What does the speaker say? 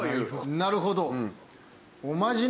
なるほど。